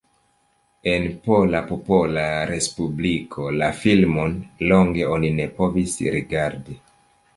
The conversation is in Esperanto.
En Pola Popola Respubliko la filmon longe oni ne povis rigardi.